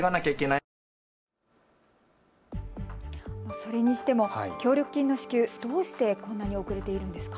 それにしても協力金の支給、どうしてこんなに遅れているんですか。